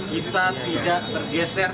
kita tidak bergeser